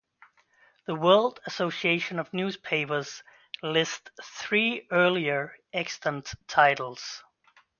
The World Association of Newspapers lists three earlier, extant titles.